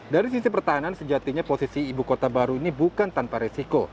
dari sisi pertahanan sejatinya posisi ibu kota baru ini bukan tanpa resiko